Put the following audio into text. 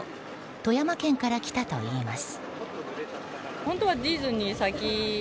富山県から来たといいます。